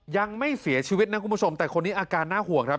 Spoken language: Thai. ยังไม่เสียชีวิตนะคุณผู้ชมแต่คนนี้อาการน่าห่วงครับ